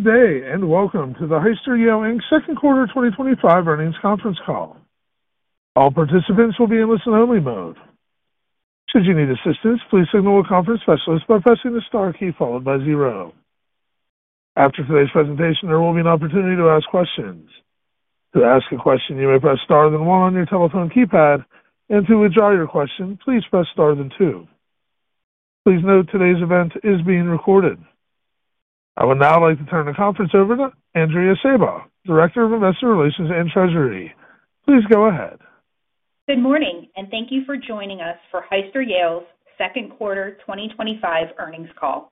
Today, and welcome to the Hyster-Yale Materials Handling Second Quarter 2025 Earnings Conference Call. All participants will be in listen-only mode. Should you need assistance, please signal a conference specialist by pressing the star key followed by zero. After today's presentation, there will be an opportunity to ask questions. To ask a question, you may press star then one on your telephone keypad, and to withdraw your question, please press star then two. Please note today's event is being recorded. I would now like to turn the conference over to Andrea Sejba, Director of Investor Relations and Treasury. Please go ahead. Good morning, and thank you for joining us for Hyster-Yale Materials Handling's Second Quarter 2025 Earnings Call.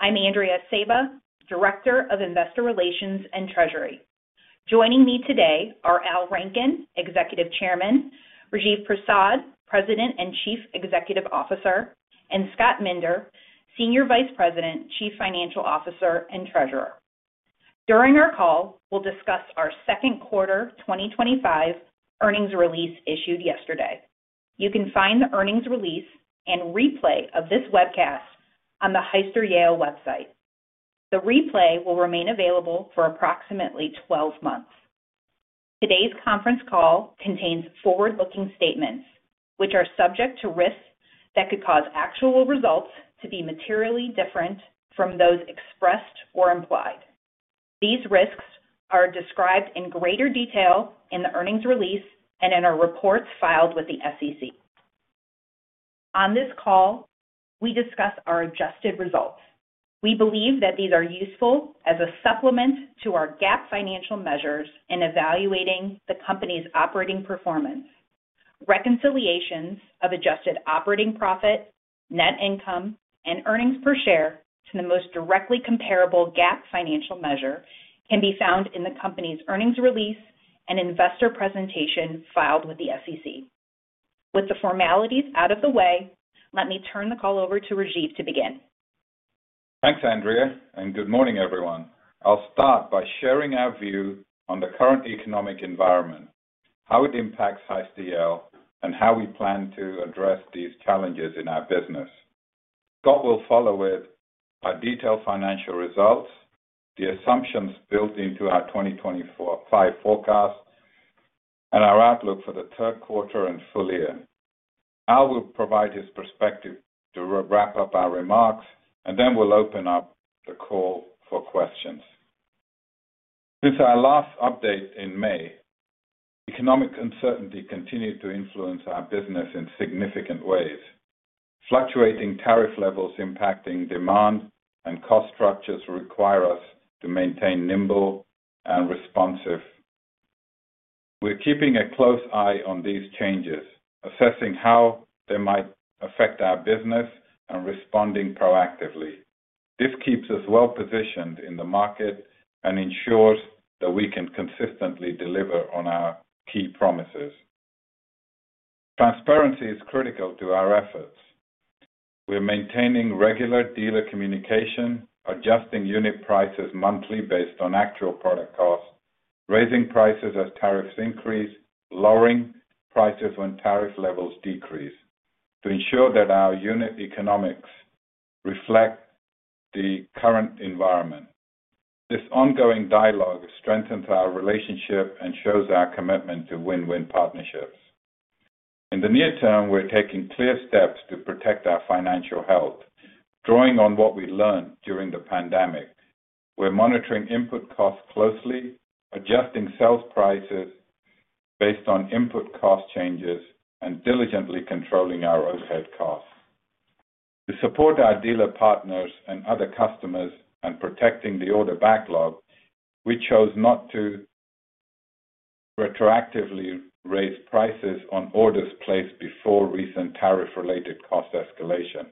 I'm Andrea Sejba, Director of Investor Relations and Treasury. Joining me today are Al Rankin, Executive Chairman, Rajiv Prasad, President and Chief Executive Officer, and Scott Minder, Senior Vice President, Chief Financial Officer and Treasurer. During our call, we'll discuss our Second Quarter 2025 Earnings Release issued yesterday. You can find the earnings release and replay of this webcast on the Hyster-Yale Materials Handling website. The replay will remain available for approximately 12 months. Today's conference call contains forward-looking statements, which are subject to risks that could cause actual results to be materially different from those expressed or implied. These risks are described in greater detail in the earnings release and in our reports filed with the SEC. On this call, we discuss our adjusted results. We believe that these are useful as a supplement to our GAAP financial measures in evaluating the company's operating performance. Reconciliations of adjusted operating profit, net income, and earnings per share to the most directly comparable GAAP financial measure can be found in the company's earnings release and investor presentation filed with the SEC. With the formalities out of the way, let me turn the call over to Rajiv to begin. Thanks, Andrea, and good morning, everyone. I'll start by sharing our view on the current economic environment, how it impacts Hyster-Yale Materials Handling, and how we plan to address these challenges in our business. Scott will follow with our detailed financial results, the assumptions built into our 2024 fiscal year forecast, and our outlook for the third quarter and full year. Al will provide his perspective to wrap up our remarks, and then we'll open up the call for questions. Since our last update in May, economic uncertainty continues to influence our business in significant ways. Fluctuating tariff levels impacting demand and cost structures require us to maintain nimble and responsive performance. We're keeping a close eye on these changes, assessing how they might affect our business and responding proactively. This keeps us well positioned in the market and ensures that we can consistently deliver on our key promises. Transparency is critical to our efforts. We're maintaining regular dealer communication, adjusting unit prices monthly based on actual product costs, raising prices as tariffs increase, and lowering prices when tariff levels decrease, to ensure that our unit economics reflect the current environment. This ongoing dialogue strengthens our relationship and shows our commitment to win-win partnerships. In the near term, we're taking clear steps to protect our financial health, drawing on what we learned during the pandemic. We're monitoring input costs closely, adjusting sales prices based on input cost changes, and diligently controlling our overhead costs. To support our dealer partners and other customers in protecting the order backlog, we chose not to retroactively raise prices on orders placed before recent tariff-related cost escalation.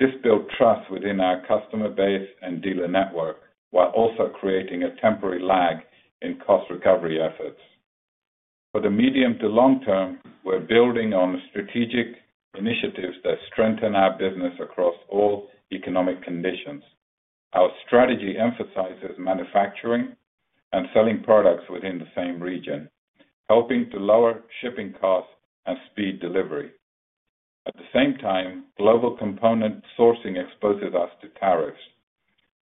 This builds trust within our customer base and dealer network, while also creating a temporary lag in cost recovery efforts. For the medium to long term, we're building on strategic initiatives that strengthen our business across all economic conditions. Our strategy emphasizes manufacturing and selling products within the same region, helping to lower shipping costs and speed delivery. At the same time, global component sourcing exposes us to tariffs.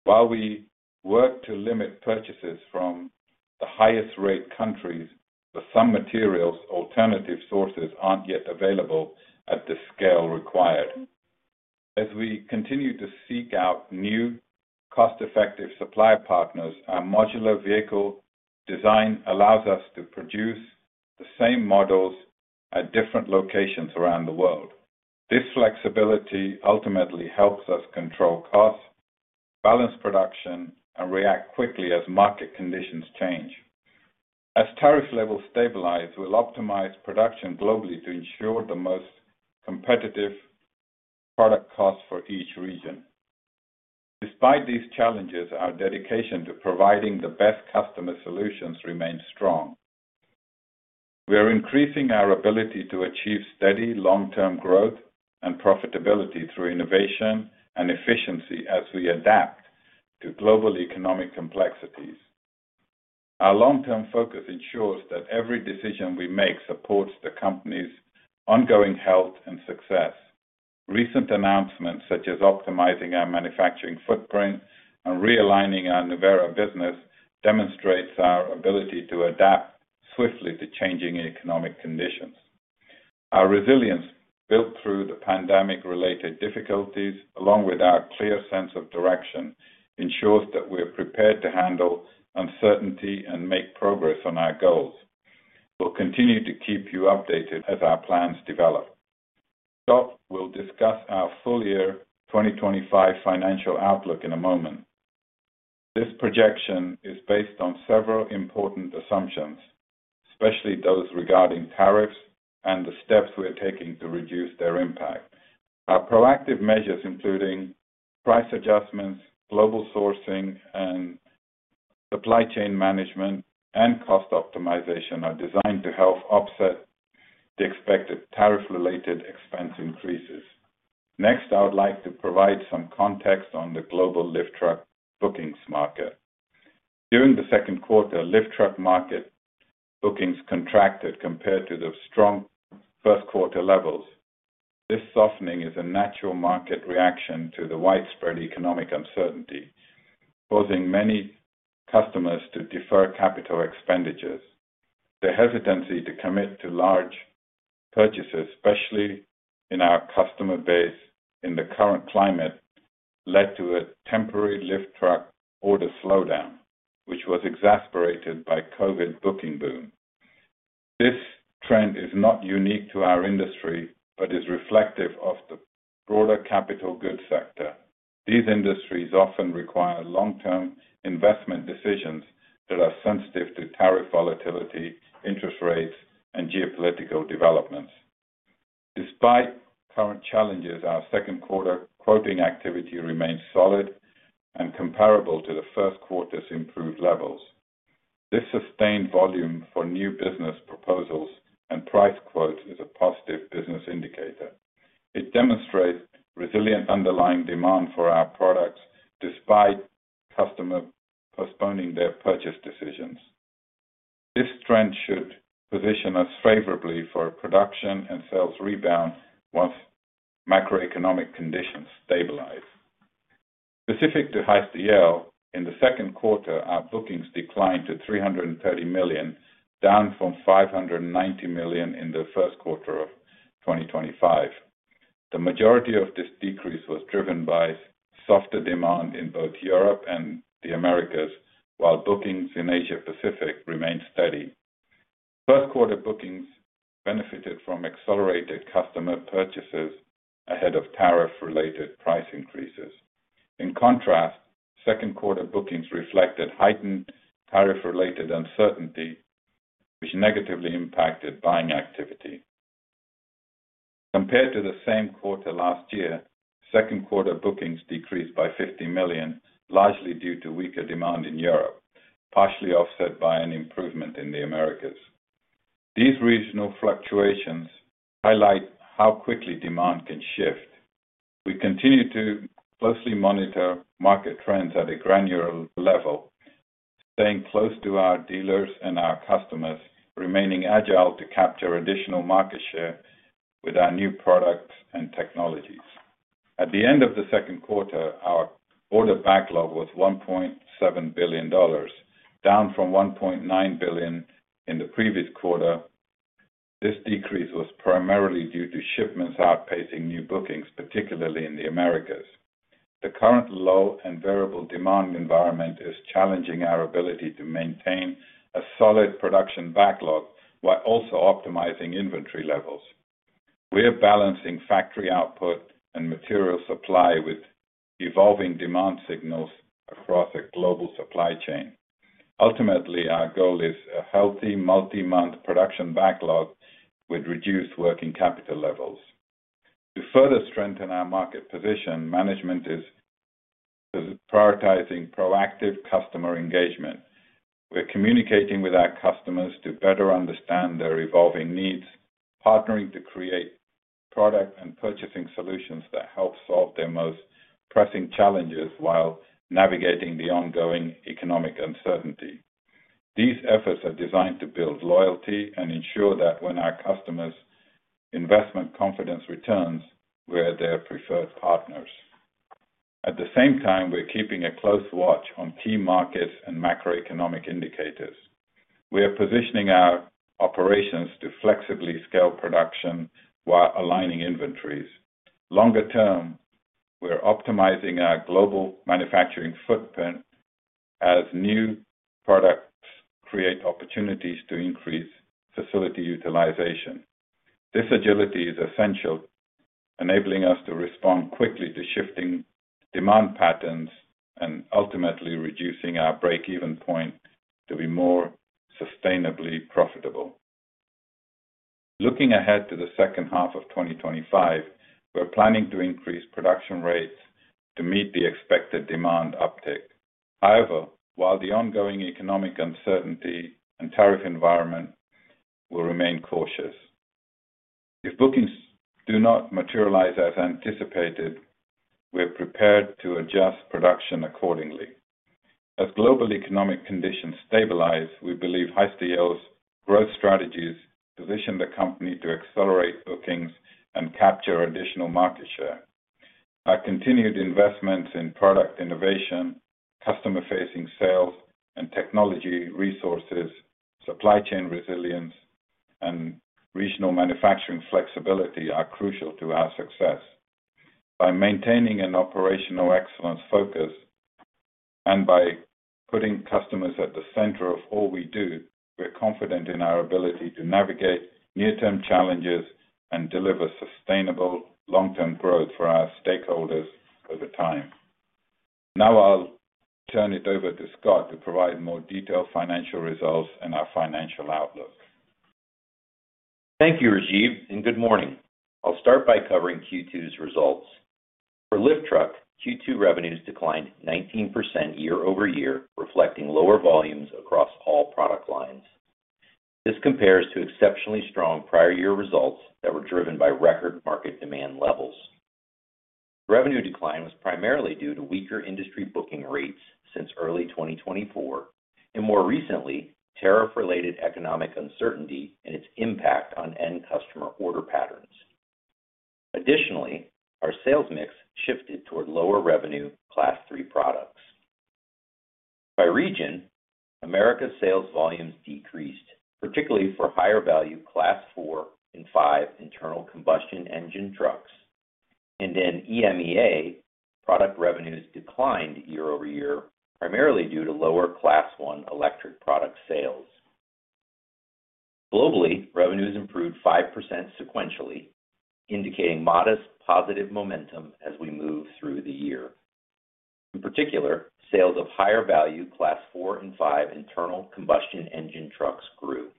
While we work to limit purchases from the highest rate countries, for some materials, alternative sources aren't yet available at the scale required. As we continue to seek out new cost-effective supply partners, our modular vehicle design allows us to produce the same models at different locations around the world. This flexibility ultimately helps us control costs, balance production, and react quickly as market conditions change. As tariff levels stabilize, we'll optimize production globally to ensure the most competitive product costs for each region. Despite these challenges, our dedication to providing the best customer solutions remains strong. We're increasing our ability to achieve steady long-term growth and profitability through innovation and efficiency as we adapt to global economic complexities. Our long-term focus ensures that every decision we make supports the company's ongoing health and success. Recent announcements, such as optimizing our manufacturing footprint and realigning our Nevada business, demonstrate our ability to adapt swiftly to changing economic conditions. Our resilience, built through the pandemic-related difficulties, along with our clear sense of direction, ensures that we're prepared to handle uncertainty and make progress on our goals. We'll continue to keep you updated as our plans develop. Scott, we'll discuss our full-year 2025 financial outlook in a moment. This projection is based on several important assumptions, especially those regarding tariffs and the steps we're taking to reduce their impact. Our proactive measures, including price adjustments, global sourcing, supply chain management, and cost optimization, are designed to help offset the expected tariff-related expense increases. Next, I would like to provide some context on the global lift truck bookings market. During the second quarter, lift truck market bookings contracted compared to the strong first quarter levels. This softening is a natural market reaction to the widespread economic uncertainty, causing many customers to defer capital expenditures. The hesitancy to commit to large purchases, especially in our customer base in the current climate, led to a temporary lift truck order slowdown, which was exacerbated by the COVID booking boom. This trend is not unique to our industry but is reflective of the broader capital goods sector. These industries often require long-term investment decisions that are sensitive to tariff volatility, interest rates, and geopolitical developments. Despite current challenges, our second quarter quoting activity remains solid and comparable to the first quarter's improved levels. This sustained volume for new business proposals and price quotes is a positive business indicator. It demonstrates resilient underlying demand for our products despite customers postponing their purchase decisions. This trend should position us favorably for a production and sales rebound once macroeconomic conditions stabilize. Specific to Hyster-Yale Materials Handling, in the second quarter, our bookings declined to $330 million, down from $590 million in the first quarter of 2025. The majority of this decrease was driven by softer demand in both EMEA and the Americas, while bookings in Asia-Pacific remained steady. First quarter bookings benefited from accelerated customer purchases ahead of tariff-related price increases. In contrast, second quarter bookings reflected heightened tariff-related uncertainty, which negatively impacted buying activity. Compared to the same quarter last year, second quarter bookings decreased by $50 million, largely due to weaker demand in EMEA, partially offset by an improvement in the Americas. These regional fluctuations highlight how quickly demand can shift. We continue to closely monitor market trends at a granular level, staying close to our dealers and our customers, remaining agile to capture additional market share with our new products and technologies. At the end of the second quarter, our order backlog was $1.7 billion, down from $1.9 billion in the previous quarter. This decrease was primarily due to shipments outpacing new bookings, particularly in the Americas. The current low and variable demand environment is challenging our ability to maintain a solid production backlog while also optimizing inventory levels. We're balancing factory output and material supply with evolving demand signals across a global supply chain. Ultimately, our goal is a healthy multi-month production backlog with reduced working capital levels. To further strengthen our market position, management is prioritizing proactive customer engagement. We're communicating with our customers to better understand their evolving needs, partnering to create product and purchasing solutions that help solve their most pressing challenges while navigating the ongoing economic uncertainty. These efforts are designed to build loyalty and ensure that when our customers' investment confidence returns, we're their preferred partners. At the same time, we're keeping a close watch on key markets and macroeconomic indicators. We're positioning our operations to flexibly scale production while aligning inventories. Longer term, we're optimizing our global manufacturing footprint as new products create opportunities to increase facility utilization. This agility is essential, enabling us to respond quickly to shifting demand patterns and ultimately reducing our break-even point to be more sustainably profitable. Looking ahead to the second half of 2025, we're planning to increase production rates to meet the expected demand uptick. However, while the ongoing economic uncertainty and tariff environment will remain cautious, if bookings do not materialize as anticipated, we're prepared to adjust production accordingly. As global economic conditions stabilize, we believe Hyster-Yale Materials Handling's growth strategies position the company to accelerate bookings and capture additional market share. Our continued investments in product innovation, customer-facing sales and technology resources, supply chain resilience, and regional manufacturing flexibility are crucial to our success. By maintaining an operational excellence focus and by putting customers at the center of all we do, we're confident in our ability to navigate near-term challenges and deliver sustainable long-term growth for our stakeholders over time. Now I'll turn it over to Scott Minder to provide more detailed financial results and our financial outlook. Thank you, Rajiv, and good morning. I'll start by covering Q2's results. For lift truck, Q2 revenues declined 19% year-over-year, reflecting lower volumes across all product lines. This compares to exceptionally strong prior-year results that were driven by record market demand levels. Revenue decline was primarily due to weaker industry booking rates since early 2024, and more recently, tariff-related economic uncertainty and its impact on end customer order patterns. Additionally, our sales mix shifted toward lower revenue Class III products. By region, Americas sales volumes decreased, particularly for higher-value Class IV and V internal combustion engine trucks. EMEA product revenues declined year-over-year, primarily due to lower Class I electric product sales. Globally, revenues improved 5% sequentially, indicating modest positive momentum as we move through the year. In particular, sales of higher-value Class IV and V internal combustion engine trucks grew.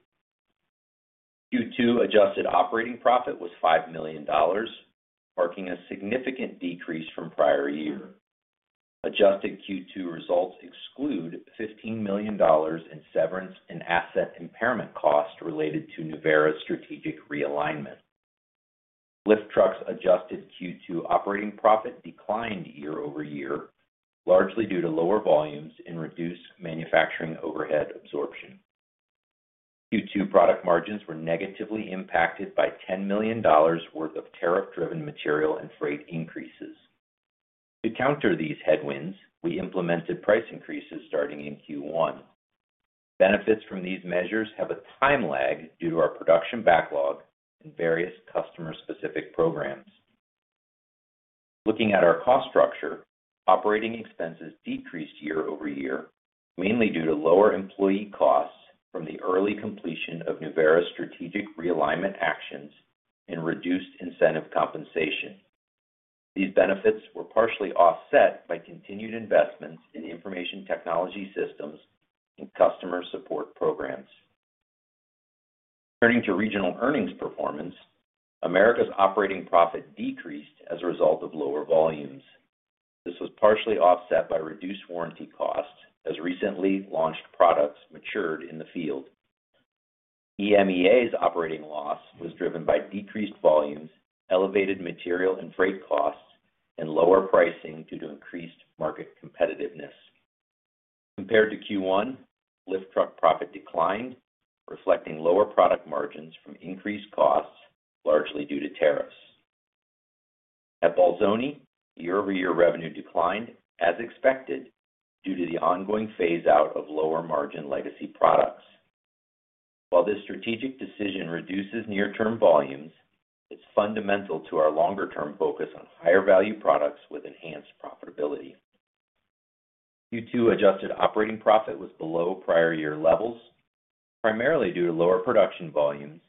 Q2 adjusted operating profit was $5 million, marking a significant decrease from prior year. Adjusted Q2 results exclude $15 million in severance and asset impairment costs related to Nevada's strategic realignment. Lift truck's adjusted Q2 operating profit declined year-over-year, largely due to lower volumes and reduced manufacturing overhead absorption. Q2 product margins were negatively impacted by $10 million worth of tariff-driven material and freight increases. To counter these headwinds, we implemented price increases starting in Q1. Benefits from these measures have a time lag due to our production backlog and various customer-specific programs. Looking at our cost structure, operating expenses decreased year-over-year, mainly due to lower employee costs from the early completion of Nevada's strategic realignment actions and reduced incentive compensation. These benefits were partially offset by continued investments in information technology systems and customer support programs. Turning to regional earnings performance, Americas operating profit decreased as a result of lower volumes. This was partially offset by reduced warranty costs as recently launched products matured in the field. EMEA's operating loss was driven by decreased volumes, elevated material and freight costs, and lower pricing due to increased market competitiveness. Compared to Q1, lift truck profit declined, reflecting lower product margins from increased costs, largely due to tariffs. At Bolzoni, year-over-year revenue declined as expected due to the ongoing phase-out of lower margin legacy products. While this strategic decision reduces near-term volumes, it's fundamental to our longer-term focus on higher-value products with enhanced profitability. Q2 adjusted operating profit was below prior year levels, primarily due to lower production volumes,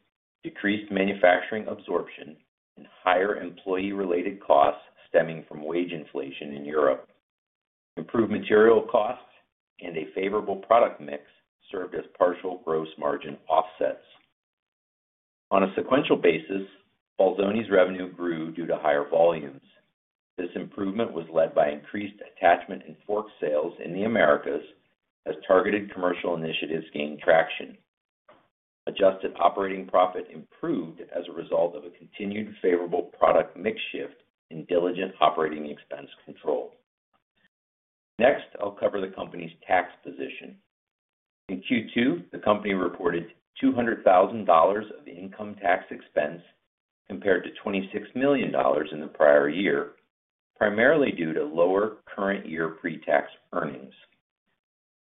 decreased manufacturing absorption, and higher employee-related costs stemming from wage inflation in Europe. Improved material costs and a favorable product mix served as partial gross margin offsets. On a sequential basis, Bolzoni's revenue grew due to higher volumes. This improvement was led by increased attachment and fork sales in the Americas as targeted commercial initiatives gained traction. Adjusted operating profit improved as a result of a continued favorable product mix shift and diligent operating expense control. Next, I'll cover the company's tax position. In Q2, the company reported $200,000 of income tax expense compared to $26 million in the prior year, primarily due to lower current year pre-tax earnings.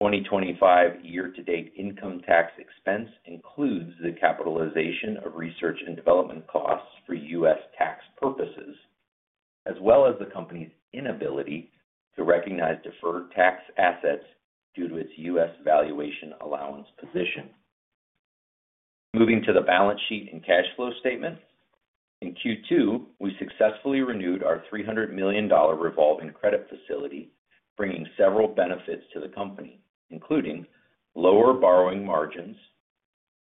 2025 year-to-date income tax expense includes the capitalization of research and development costs for U.S. tax purposes, as well as the company's inability to recognize deferred tax assets due to its U.S. valuation allowance position. Moving to the balance sheet and cash flow statement, in Q2, we successfully renewed our $300 million revolving credit facility, bringing several benefits to the company, including lower borrowing margins,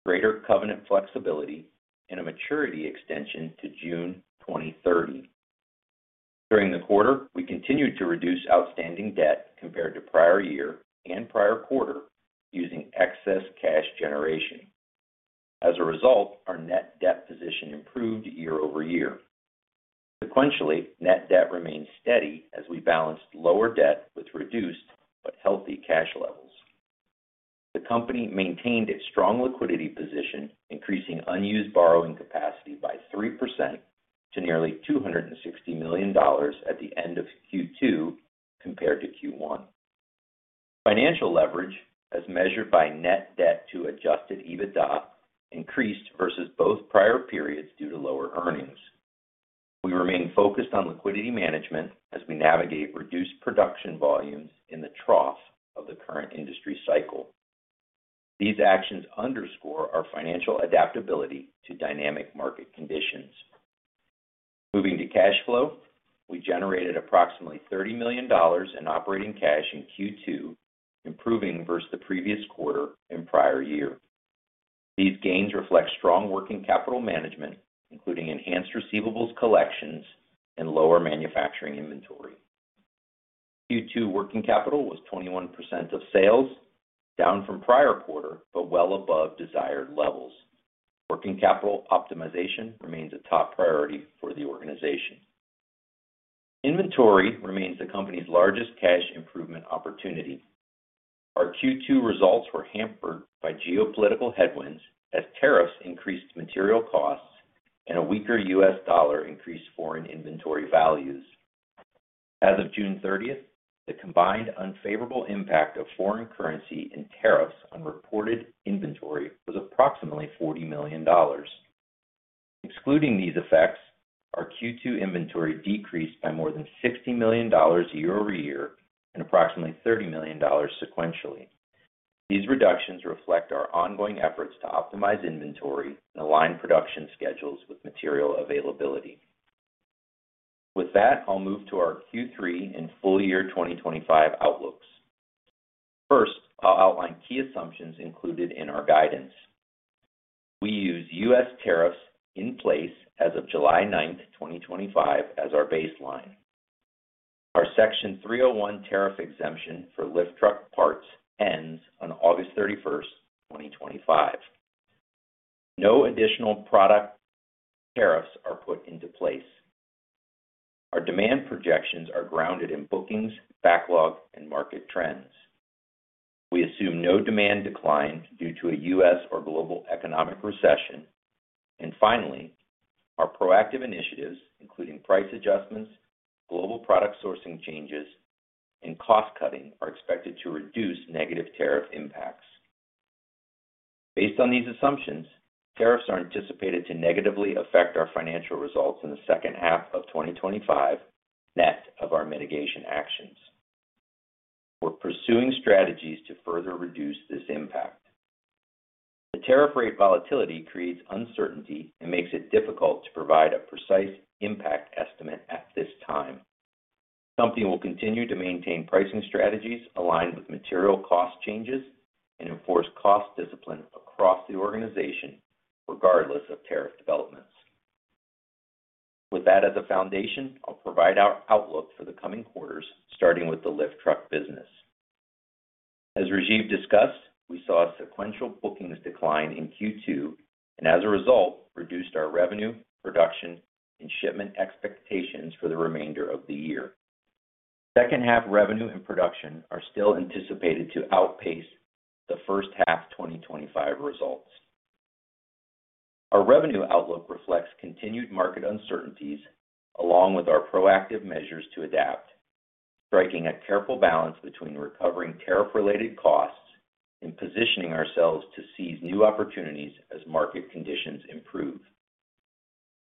greater covenant flexibility, and a maturity extension to June 2030. During the quarter, we continued to reduce outstanding debt compared to prior year and prior quarter using excess cash generation. As a result, our net debt position improved year-over-year. Sequentially, net debt remained steady as we balanced lower debt with reduced but healthy cash levels. The company maintained a strong liquidity position, increasing unused borrowing capacity by 3% to nearly $260 million at the end of Q2 compared to Q1. Financial leverage, as measured by net debt to adjusted EBITDA, increased versus both prior periods due to lower earnings. We remain focused on liquidity management as we navigate reduced production volumes in the trough of the current industry cycle. These actions underscore our financial adaptability to dynamic market conditions. Moving to cash flow, we generated approximately $30 million in operating cash in Q2, improving versus the previous quarter and prior year. These gains reflect strong working capital management, including enhanced receivables collections and lower manufacturing inventory. Q2 working capital was 21% of sales, down from prior quarter but well above desired levels. Working capital optimization remains a top priority for the organization. Inventory remains the company's largest cash improvement opportunity. Our Q2 results were hampered by geopolitical headwinds as tariffs increased material costs and a weaker U.S. dollar increased foreign inventory values. As of June 30, the combined unfavorable impact of foreign currency and tariffs on reported inventory was approximately $40 million. Excluding these effects, our Q2 inventory decreased by more than $60 million year-over-year and approximately $30 million sequentially. These reductions reflect our ongoing efforts to optimize inventory and align production schedules with material availability. With that, I'll move to our Q3 and full-year 2025 outlooks. First, I'll outline key assumptions included in our guidance. We use U.S. tariffs in place as of July 9, 2025, as our baseline. Our Section 301 tariff exemption for lift truck parts ends on August 31, 2025. No additional product tariffs are put into place. Our demand projections are grounded in bookings, backlog, and market trends. We assume no demand declines due to a U.S. or global economic recession. Finally, our proactive initiatives, including price adjustments, global product sourcing changes, and cost cutting, are expected to reduce negative tariff impacts. Based on these assumptions, tariffs are anticipated to negatively affect our financial results in the second half of 2025, net of our mitigation actions. We're pursuing strategies to further reduce this impact. The tariff rate volatility creates uncertainty and makes it difficult to provide a precise impact estimate at this time. The company will continue to maintain pricing strategies aligned with material cost changes and enforce cost discipline across the organization, regardless of tariff developments. With that as a foundation, I'll provide our outlook for the coming quarters, starting with the lift truck business. As Rajiv discussed, we saw a sequential bookings decline in Q2 and, as a result, reduced our revenue, production, and shipment expectations for the remainder of the year. Second half revenue and production are still anticipated to outpace the first half 2025 results. Our revenue outlook reflects continued market uncertainties, along with our proactive measures to adapt, striking a careful balance between recovering tariff-related costs and positioning ourselves to seize new opportunities as market conditions improve.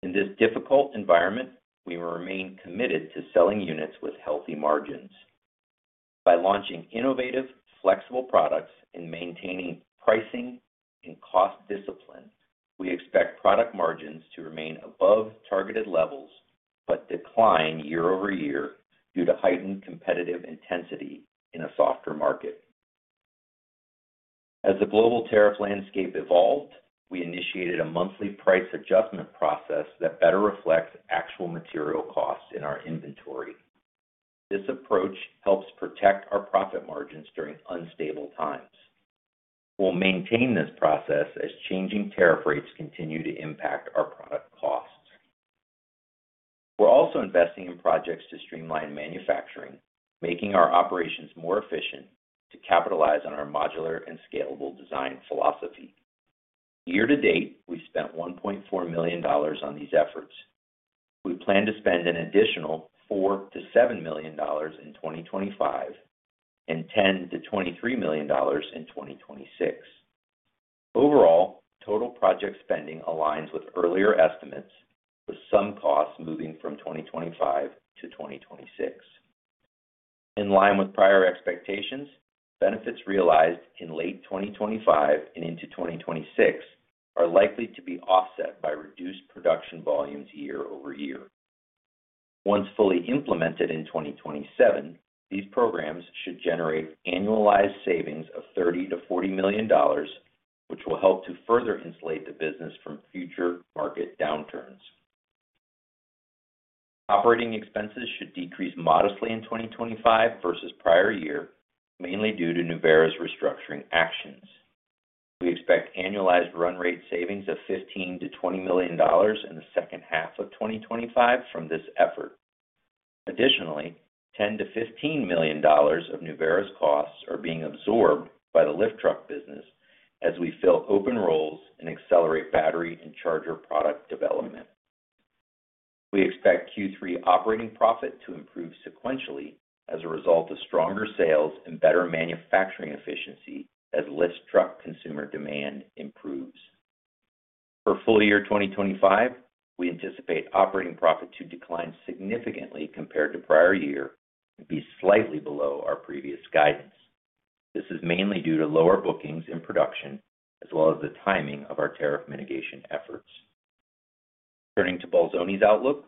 In this difficult environment, we remain committed to selling units with healthy margins. By launching innovative, flexible products and maintaining pricing and cost discipline, we expect product margins to remain above targeted levels but decline year-over-year due to heightened competitive intensity in a softer market. As the global tariff landscape evolved, we initiated a monthly price adjustment process that better reflects actual material costs in our inventory. This approach helps protect our profit margins during unstable times. We'll maintain this process as changing tariff rates continue to impact our product costs. We're also investing in projects to streamline manufacturing, making our operations more efficient to capitalize on our modular and scalable design philosophy. Year to date, we spent $1.4 million on these efforts. We plan to spend an additional $4 million-$7 million in 2025 and $10 million-$23 million in 2026. Overall, total project spending aligns with earlier estimates, with some costs moving from 2025 to 2026. In line with prior expectations, benefits realized in late 2025 and into 2026 are likely to be offset by reduced production volumes year-over-year. Once fully implemented in 2027, these programs should generate annualized savings of $30 million-$40 million, which will help to further insulate the business from future market downturns. Operating expenses should decrease modestly in 2025 versus prior year, mainly due to Nevada's restructuring actions. We expect annualized run rate savings of $15 million-$20 million in the second half of 2025 from this effort. Additionally, $10 million-$15 million of Nevada's costs are being absorbed by the lift truck business as we fill open roles and accelerate battery and charger product development. We expect Q3 operating profit to improve sequentially as a result of stronger sales and better manufacturing efficiency as lift truck consumer demand improves. For full-year 2025, we anticipate operating profit to decline significantly compared to prior year and be slightly below our previous guidance. This is mainly due to lower bookings and production, as well as the timing of our tariff mitigation efforts. Turning to Bolzoni's outlook,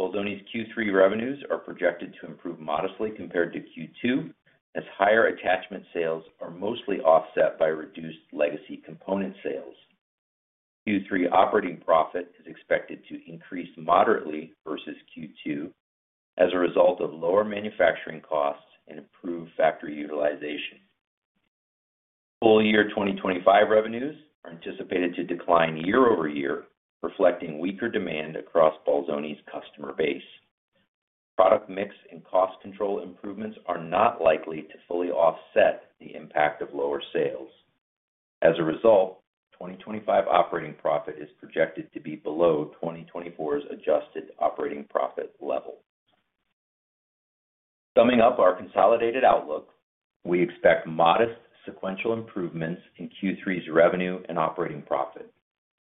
Bolzoni's Q3 revenues are projected to improve modestly compared to Q2 as higher attachment sales are mostly offset by reduced legacy component sales. Q3 operating profit is expected to increase moderately versus Q2 as a result of lower manufacturing costs and improved factory utilization. Full-year 2025 revenues are anticipated to decline year-over-year, reflecting weaker demand across Bolzoni's customer base. Product mix and cost control improvements are not likely to fully offset the impact of lower sales. As a result, 2025 operating profit is projected to be below 2024's adjusted operating profit level. Summing up our consolidated outlook, we expect modest sequential improvements in Q3's revenue and operating profit.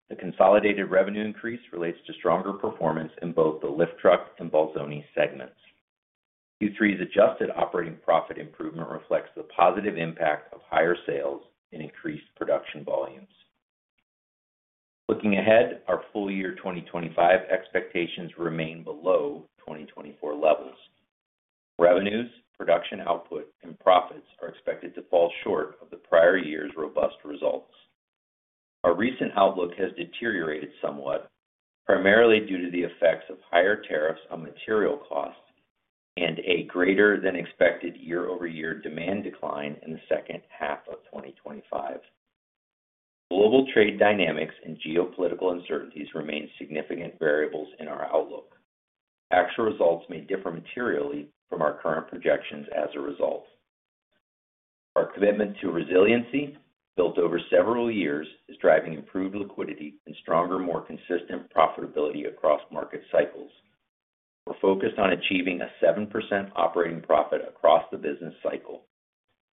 The consolidated revenue increase relates to stronger performance in both the lift truck and Bolzoni segments. Q3's adjusted operating profit improvement reflects the positive impact of higher sales and increased production volumes. Looking ahead, our full-year 2025 expectations remain below 2024 levels. Revenues, production output, and profits are expected to fall short of the prior year's robust results. Our recent outlook has deteriorated somewhat, primarily due to the effects of higher tariffs on material costs and a greater than expected year-over-year demand decline in the second half of 2025. Global trade dynamics and geopolitical uncertainties remain significant variables in our outlook. Actual results may differ materially from our current projections as a result. Our commitment to resiliency, built over several years, is driving improved liquidity and stronger, more consistent profitability across market cycles. We're focused on achieving a 7% operating profit across the business cycle.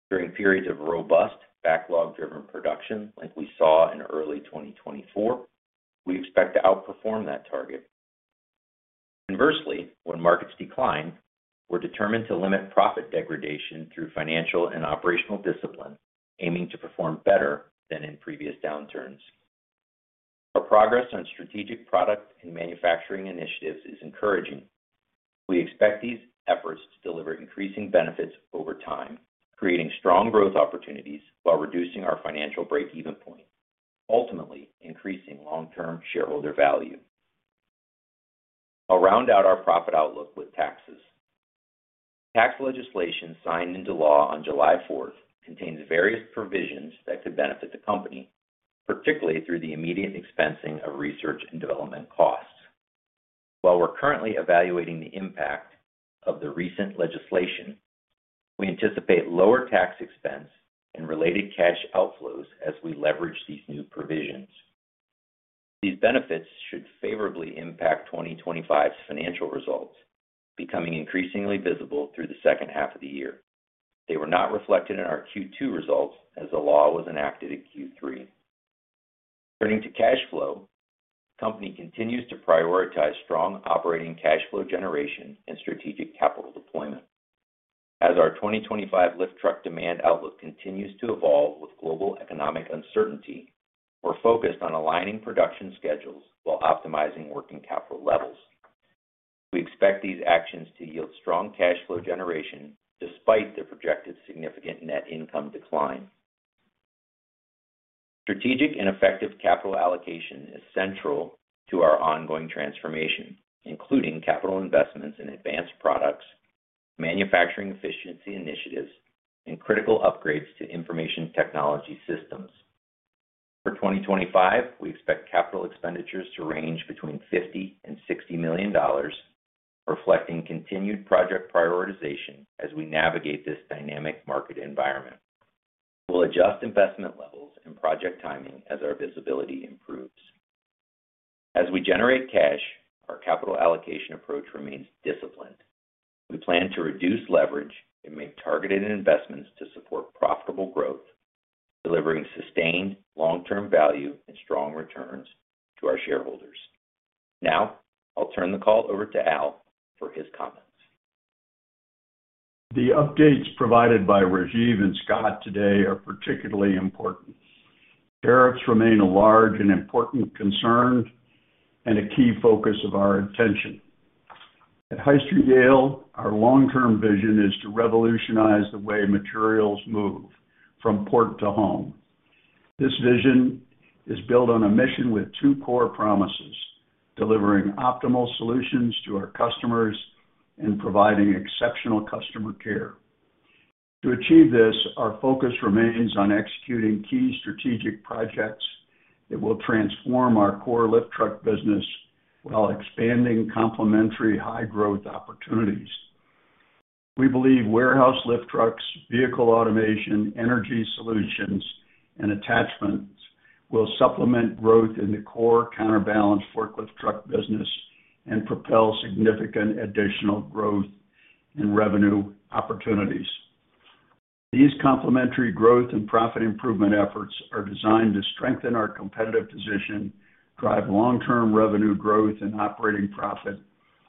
During periods of robust backlog-driven production, like we saw in early 2024, we expect to outperform that target. Conversely, when markets decline, we're determined to limit profit degradation through financial and operational discipline, aiming to perform better than in previous downturns. Our progress on strategic product and manufacturing initiatives is encouraging. We expect these efforts to deliver increasing benefits over time, creating strong growth opportunities while reducing our financial break-even point, ultimately, increasing long-term shareholder value. I'll round out our profit outlook with taxes. Tax legislation signed into law on July 4th contains various provisions that could benefit the company, particularly through the immediate expensing of research and development costs. While we're currently evaluating the impact of the recent legislation, we anticipate lower tax expense and related cash outflows as we leverage these new provisions. These benefits should favorably impact 2025's financial results, becoming increasingly visible through the second half of the year. They were not reflected in our Q2 results as the law was enacted at Q3. Turning to cash flow, the company continues to prioritize strong operating cash flow generation and strategic capital deployment. As our 2025 lift truck demand outlook continues to evolve with global economic uncertainty, we're focused on aligning production schedules while optimizing working capital levels. We expect these actions to yield strong cash flow generation despite the projected significant net income decline. Strategic and effective capital allocation is central to our ongoing transformation, including capital investments in advanced products, manufacturing efficiency initiatives, and critical upgrades to information technology systems. For 2025, we expect capital expenditures to range between $50 million-$60 million, reflecting continued project prioritization as we navigate this dynamic market environment. We'll adjust investment levels and project timing as our visibility improves. As we generate cash, our capital allocation approach remains disciplined. We plan to reduce leverage and make targeted investments to support profitable growth, delivering sustained long-term value and strong returns to our shareholders. Now, I'll turn the call over to Al for his comments. The updates provided by Rajiv and Scott today are particularly important. Tariffs remain a large and important concern and a key focus of our attention. At Hyster-Yale, our long-term vision is to revolutionize the way materials move from port to home. This vision is built on a mission with two core promises: delivering optimal solutions to our customers and providing exceptional customer care. To achieve this, our focus remains on executing key strategic projects that will transform our core lift truck business while expanding complementary high-growth opportunities. We believe warehouse lift trucks, vehicle automation, energy solutions, and attachments will supplement growth in the core counterbalance forklift truck business and propel significant additional growth and revenue opportunities. These complementary growth and profit improvement efforts are designed to strengthen our competitive position, drive long-term revenue growth and operating profit,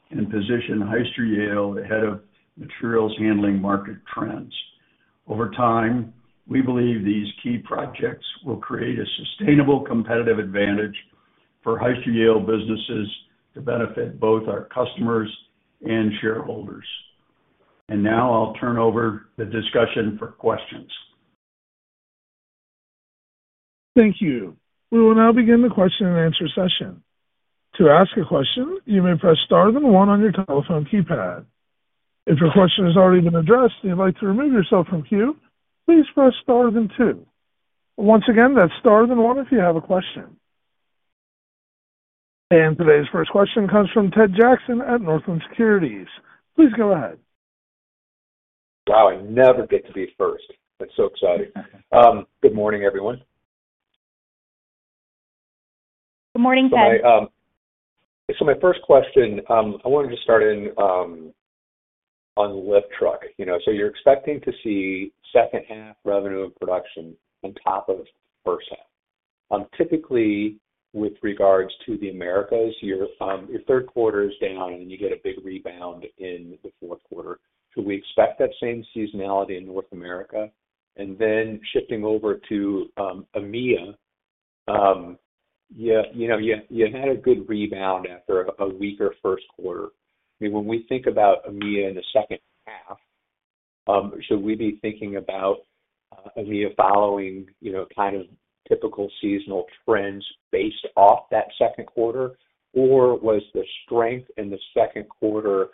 and position Hyster-Yale ahead of materials handling market trends. Over time, we believe these key projects will create a sustainable competitive advantage for Hyster-Yale businesses to benefit both our customers and shareholders. I'll turn over the discussion for questions. Thank you. We will now begin the question and answer session. To ask a question, you may press star then one on your telephone keypad. If your question has already been addressed and you'd like to remove yourself from queue, please press star then two. Once again, that's star then one if you have a question. Today's first question comes from Ted Jackson at Northland Securities. Please go ahead. Wow, I never get to be first. That's so exciting. Good morning, everyone. Good morning, Ted. My first question, I wanted to start in on the lift truck. You're expecting to see second half revenue and production on top of the first half. Typically, with regards to the Americas, your third quarter is down and then you get a big rebound in the fourth quarter. We expect that same seasonality in North America. Shifting over to EMEA, you had a good rebound after a weaker first quarter. When we think about EMEA in the second half, should we be thinking about EMEA following kind of typical seasonal trends based off that second quarter, or was the strength in the second quarter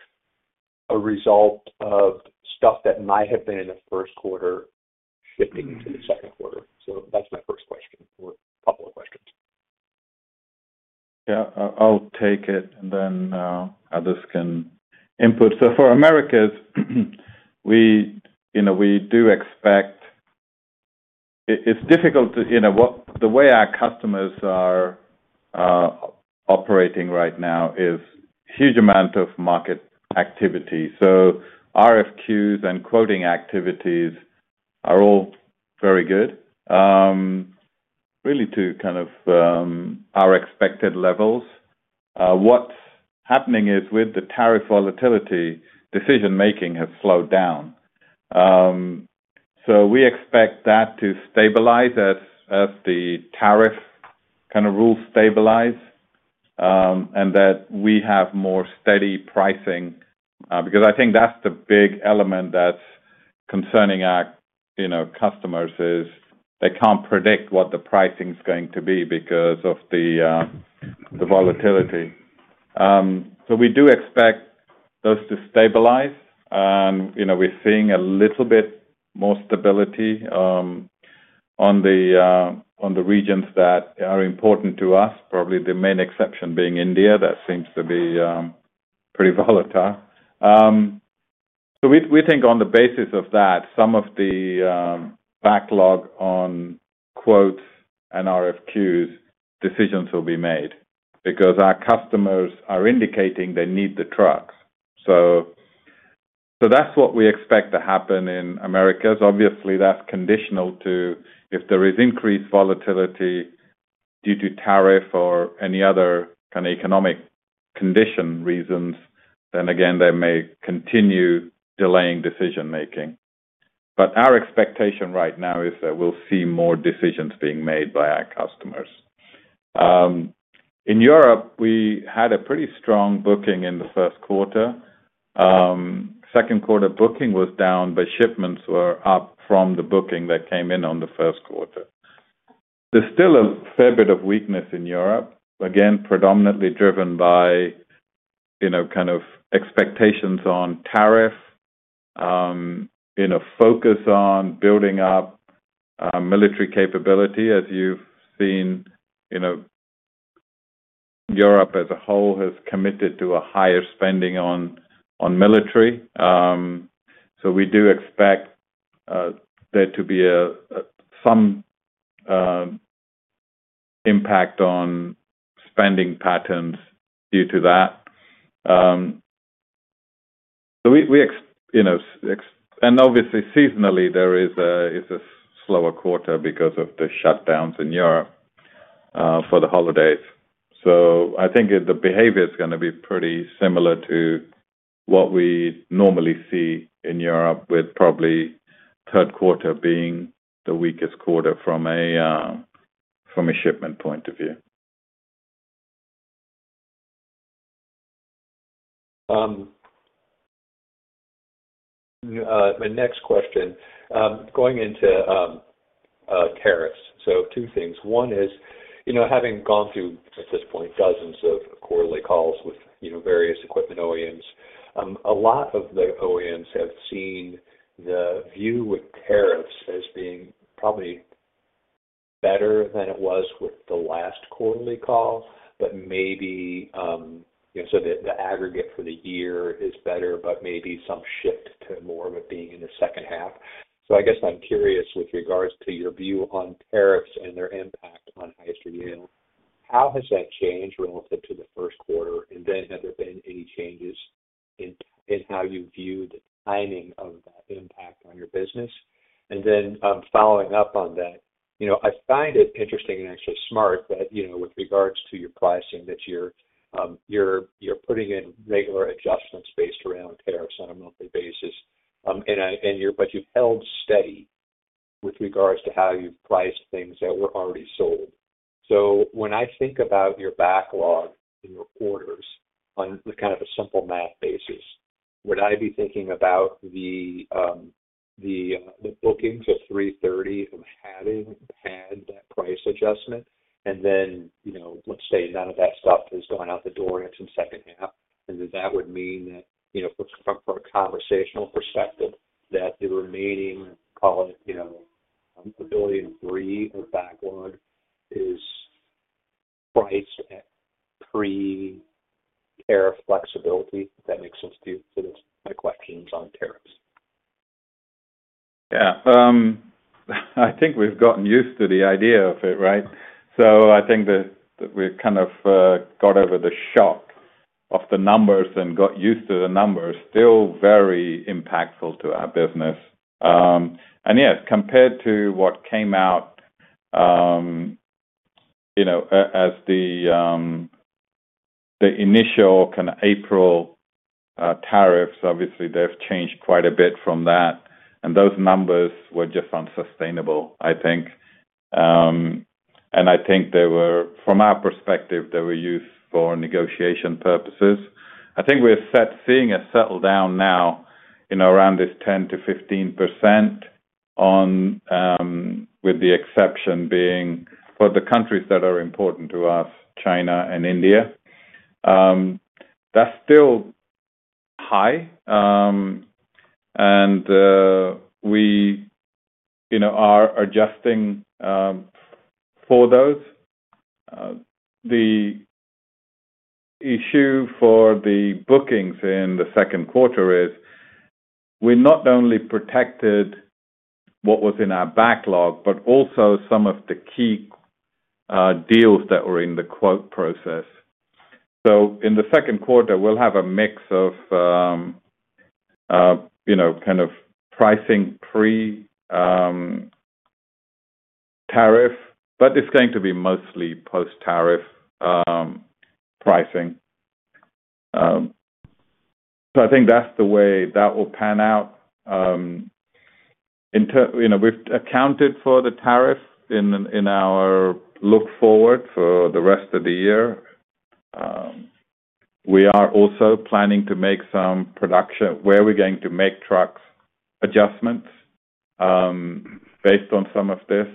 a result of stuff that might have been in the first quarter shifting into the second quarter? That's my first question for follow-up questions. Yeah, I'll take it and then others can input. For Americas, we do expect, it's difficult to, you know, the way our customers are operating right now is a huge amount of market activity. RFQs and quoting activity are all very good, really to kind of our expected levels. What's happening is with the tariff volatility, decision-making has slowed down. We expect that to stabilize as the tariff kind of rules stabilize and that we have more steady pricing because I think that's the big element that's concerning our customers, they can't predict what the pricing is going to be because of the volatility. We do expect those to stabilize. We're seeing a little bit more stability on the regions that are important to us, probably the main exception being India that seems to be pretty volatile. We think on the basis of that, some of the backlog on quotes and RFQs decisions will be made because our customers are indicating they need the trucks. That's what we expect to happen in Americas. Obviously, that's conditional to if there is increased volatility due to tariff or any other kind of economic condition reasons, then they may continue delaying decision-making. Our expectation right now is that we'll see more decisions being made by our customers. In Europe, we had a pretty strong booking in the first quarter. Second quarter booking was down, but shipments were up from the booking that came in on the first quarter. There's still a fair bit of weakness in Europe, again, predominantly driven by, you know, kind of expectations on tariff, focus on building up military capability. As you've seen, Europe as a whole has committed to a higher spending on military. We do expect there to be some impact on spending patterns due to that. Seasonally, there is a slower quarter because of the shutdowns in Europe for the holidays. I think the behavior is going to be pretty similar to what we normally see in Europe, with probably third quarter being the weakest quarter from a shipment point of view. My next question, going into tariffs. Two things. One is, you know, having gone through, at this point, dozens of quarterly calls with various equipment OEMs, a lot of the OEMs have seen the view with tariffs as being probably better than it was with the last quarterly call. The aggregate for the year is better, but maybe some shift to more of it being in the second half. I'm curious with regards to your view on tariffs and their impact on Hyster-Yale Materials Handling. How has that changed relative to the first quarter? Have there been any changes in how you viewed the timing of that impact on your business? Following up on that, I find it interesting and actually smart that, with regards to your pricing, you're putting in regular adjustments based around tariffs on a monthly basis, but you've held steady with regards to how you've priced things that were already sold. When I think about your backlog in your quarters on a kind of simple math basis, would I be thinking about the bookings at $330 million of having had that price adjustment? Let's say none of that stuff has gone out the door in some second half. That would mean that, from a conversational perspective, the remaining, call it, $1.3 billion of backlog is priced at pre-tariff flexibility, if that makes sense to you. That's my questions on tariffs. Yeah, I think we've gotten used to the idea of it, right? I think that we've kind of got over the shock of the numbers and got used to the numbers. Still very impactful to our business. Yes, compared to what came out as the initial kind of April tariffs, obviously, they've changed quite a bit from that. Those numbers were just unsustainable, I think. I think they were, from our perspective, used for negotiation purposes. I think we're seeing a settle down now around this 10% to 15% with the exception being for the countries that are important to us, China and India. That's still high, and we are adjusting for those. The issue for the bookings in the second quarter is we not only protected what was in our backlog, but also some of the key deals that were in the quote process. In the second quarter, we'll have a mix of pricing pre-tariff, but it's going to be mostly post-tariff pricing. I think that's the way that will pan out. We've accounted for the tariff in our look forward for the rest of the year. We are also planning to make some production where we're going to make trucks adjustments based on some of this.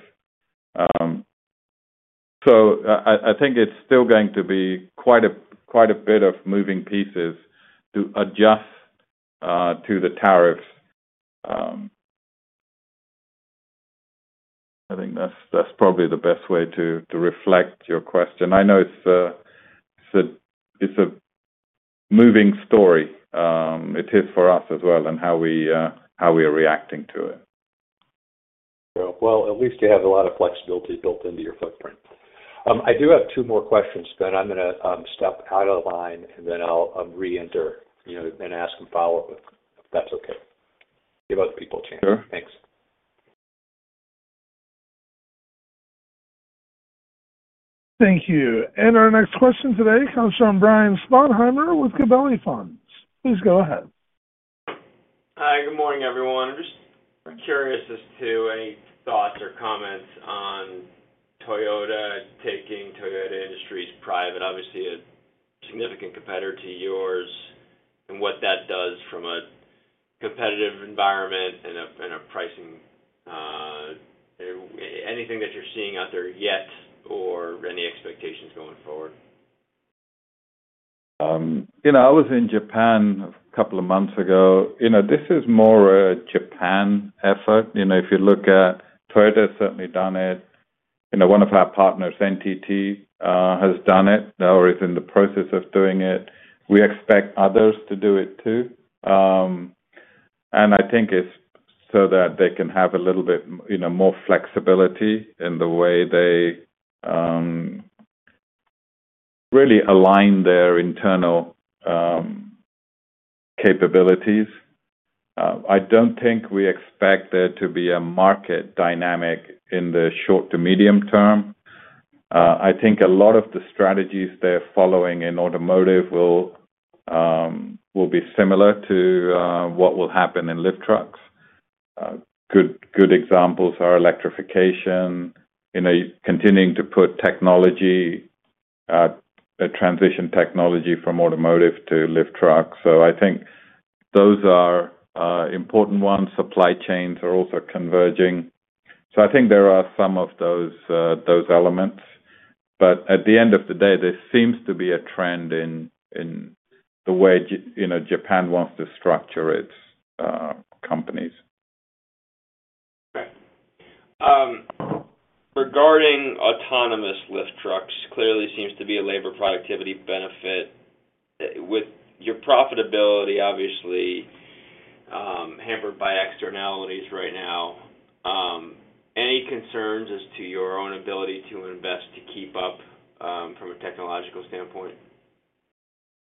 I think it's still going to be quite a bit of moving pieces to adjust to the tariffs. I think that's probably the best way to reflect your question. I know it's a moving story. It is for us as well and how we are reacting to it. At least you have a lot of flexibility built into your footprint. I do have two more questions, but I'm going to stop the audio line and then I'll re-enter and ask and follow up if that's okay. Give other people a chance. Thanks. Thank you. Our next question today comes from Brian Sponheimer with Gabelli Funds. Please go ahead. Hi, good morning, everyone. I'm just curious as to any thoughts or comments on Toyota taking Toyota Industries private. Obviously, a significant competitor to yours and what that does from a competitive environment and pricing. Anything that you're seeing out there yet or any expectations going forward? I was in Japan a couple of months ago. This is more a Japan effort. If you look at Toyota, it has certainly done it. One of our partners, NTT, has done it or is in the process of doing it. We expect others to do it too. I think it's so that they can have a little bit more flexibility in the way they really align their internal capabilities. I don't think we expect there to be a market dynamic in the short to medium term. I think a lot of the strategies they're following in automotive will be similar to what will happen in lift trucks. Good examples are electrification, continuing to put technology, transition technology from automotive to lift trucks. I think those are important ones. Supply chains are also converging. I think there are some of those elements. At the end of the day, there seems to be a trend in the way Japan wants to structure its companies. Regarding autonomous lift trucks, clearly seems to be a labor productivity benefit. With your profitability, obviously hampered by externalities right now, any concerns as to your own ability to invest to keep up from a technological standpoint?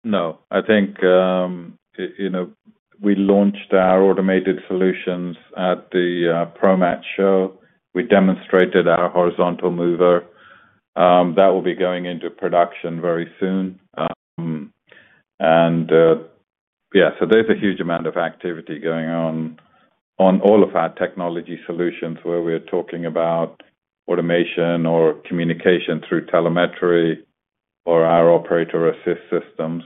No, I think, you know, we launched our automated solutions at the ProMat show. We demonstrated our horizontal mover. That will be going into production very soon. There's a huge amount of activity going on on all of our technology solutions where we're talking about automation or communication through telemetry or our operator assist systems.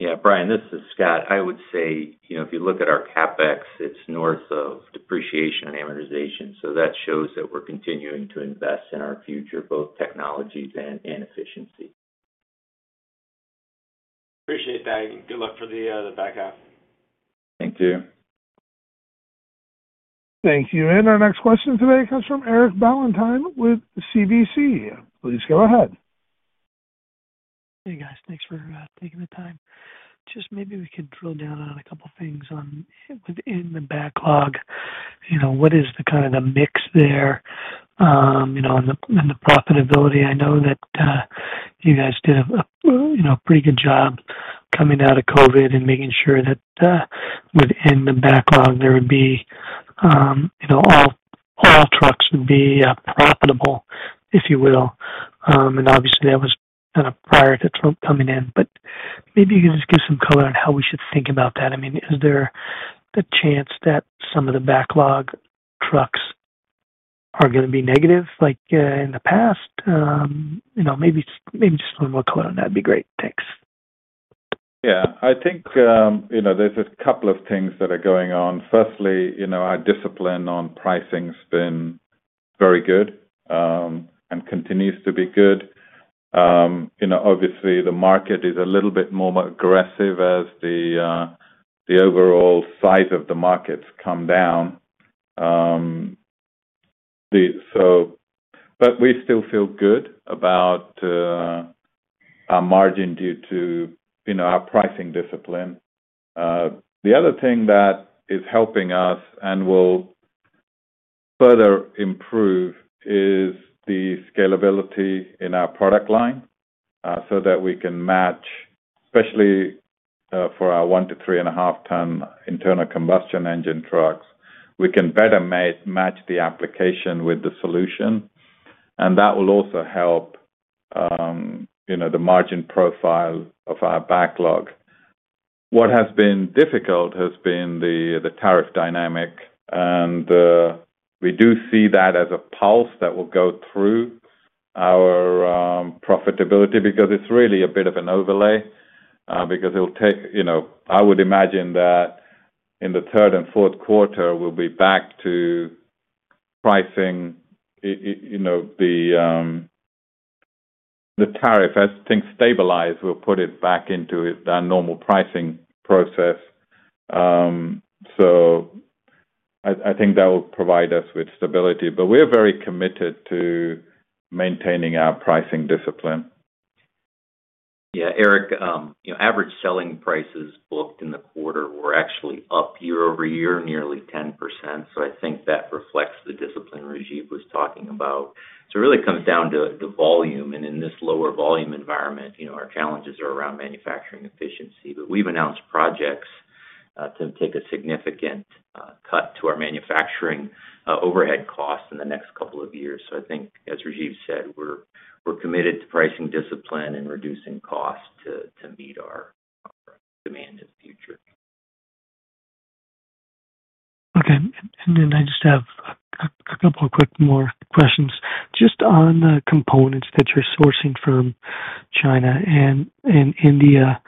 Yeah, Brian, this is Scott. I would say, you know, if you look at our capital expenditures, it's north of depreciation and amortization. That shows that we're continuing to invest in our future, both technology and efficiency. Appreciate that. Good luck for the back half. Thank you. Thank you. Our next question today comes from Eric Ballantine with CVC. Please go ahead. Hey guys, thanks for taking the time. Maybe we could drill down on a couple of things within the backlog. What is the kind of the mix there? In the profitability, I know that you guys did a pretty good job coming out of COVID and making sure that within the backlog there would be, you know, all lift trucks would be profitable, if you will. Obviously, that was kind of prior to Trump coming in. Maybe you can just give some color on how we should think about that. I mean, is there the chance that some of the backlog trucks are going to be negative like in the past? Maybe just a little more color on that would be great. Thanks. Yeah, I think there's a couple of things that are going on. Firstly, our discipline on pricing has been very good and continues to be good. Obviously, the market is a little bit more aggressive as the overall size of the markets come down, but we still feel good about our margin due to our pricing discipline. The other thing that is helping us and will further improve is the scalability in our product line so that we can match, especially for our one to three and a half ton internal combustion engine trucks, we can better match the application with the solution. That will also help the margin profile of our backlog. What has been difficult has been the tariff dynamic. We do see that as a pulse that will go through our profitability because it's really a bit of an overlay because it'll take, I would imagine that in the third and fourth quarter, we'll be back to pricing the tariff. As things stabilize, we'll put it back into our normal pricing process. I think that will provide us with stability. We're very committed to maintaining our pricing discipline. Yeah, Eric, you know, average selling prices booked in the quarter were actually up year-over-year, nearly 10%. I think that reflects the discipline Rajiv was talking about. It really comes down to volume. In this lower volume environment, our challenges are around manufacturing efficiency. We've announced projects to take a significant cut to our manufacturing overhead costs in the next couple of years. I think, as Rajiv said, we're committed to pricing discipline and reducing costs to meet our demand in the future. Okay. I just have a couple of quick more questions. Just on the components that you're sourcing from China and India,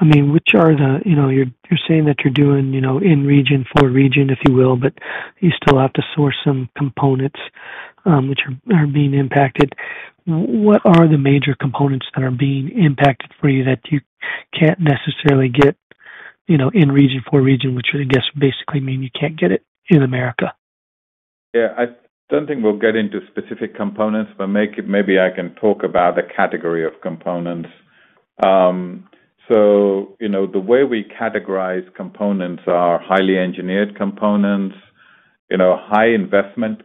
which are the, you know, you're saying that you're doing in region, for region, if you will, but you still have to source some components which are being impacted. What are the major components that are being impacted for you that you can't necessarily get in region, for region, which I guess basically means you can't get it in America? I don't think we'll get into specific components, but maybe I can talk about a category of components. The way we categorize components are highly engineered components, high investment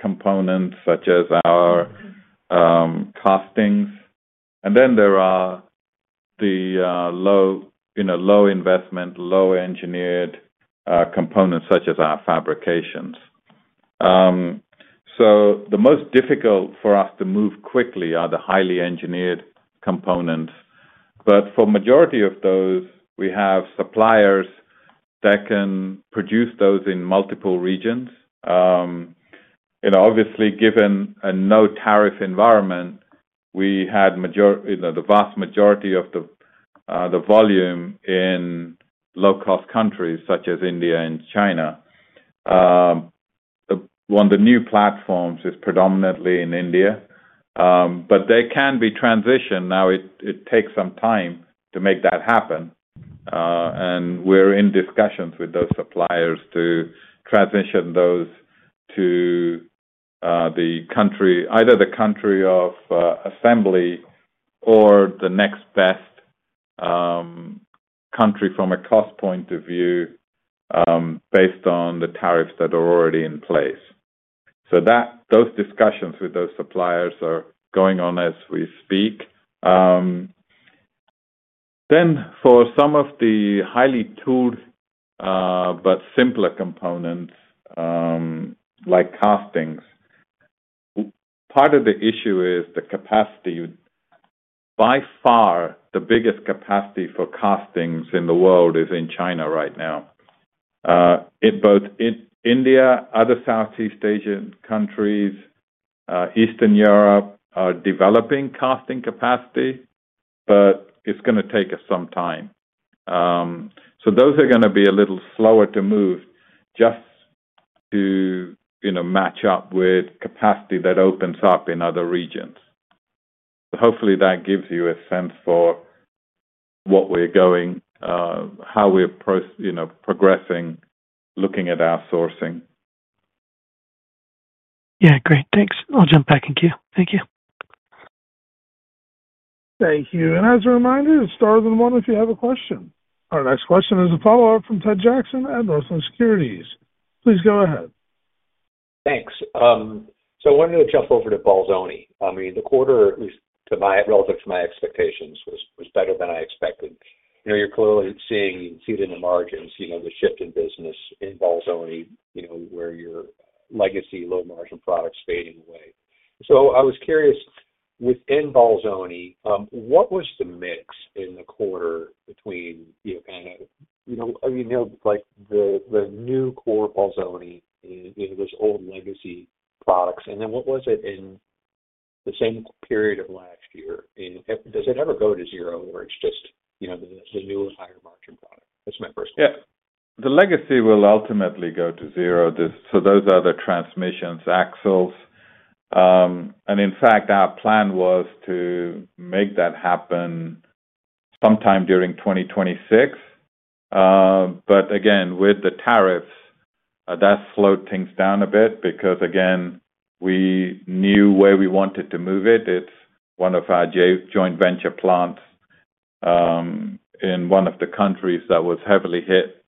components such as our castings. There are the low investment, low engineered components such as our fabrications. The most difficult for us to move quickly are the highly engineered components. For the majority of those, we have suppliers that can produce those in multiple regions. Obviously, given a no-tariff environment, we had the vast majority of the volume in low-cost countries such as India and China. One of the new platforms is predominantly in India, but they can be transitioned. It takes some time to make that happen. We're in discussions with those suppliers to transition those to the country, either the country of assembly or the next best country from a cost point of view based on the tariffs that are already in place. Those discussions with those suppliers are going on as we speak. For some of the highly tooled but simpler components like castings, part of the issue is the capacity. By far, the biggest capacity for castings in the world is in China right now. In both India, other Southeast Asian countries, and Eastern Europe are developing casting capacity, but it's going to take us some time. Those are going to be a little slower to move just to match up with capacity that opens up in other regions. Hopefully, that gives you a sense for what we're going, how we're progressing, looking at our sourcing. Great, thanks. I'll jump back in queue. Thank you. Thank you. As a reminder, to star then one if you have a question. Our next question is a follow-up from Ted Jackson at Northland Securities. Please go ahead. Thanks. I wanted to jump over to Bolzoni. The quarter, relative to my expectations, was better than I expected. You're clearly seeing, you can see it in the margins, the shift in business in Bolzoni, where your legacy low-margin products are fading away. I was curious, within Bolzoni, what was the mix in the quarter between the new core Bolzoni and this old legacy products? What was it in the same period of last year? Does it ever go to zero or is it just the newer higher margin product? That's my first question. Yeah. The legacy will ultimately go to zero. Those are the transmissions, axles. In fact, our plan was to make that happen sometime during 2026. With the tariffs, that slowed things down a bit because we knew where we wanted to move it. It's one of our joint venture plants in one of the countries that was heavily hit